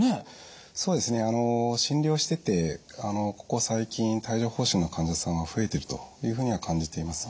そうですね診療しててここ最近帯状ほう疹の患者さんは増えているというふうには感じています。